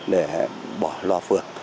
để bỏ loa phưởng